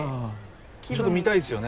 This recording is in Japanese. ちょっと見たいですよね。